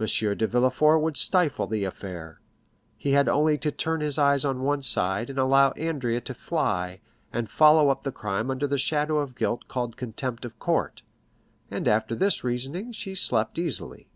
M. de Villefort would stifle the affair; he had only to turn his eyes on one side, and allow Andrea to fly, and follow up the crime under that shadow of guilt called contempt of court. And after this reasoning she slept easily.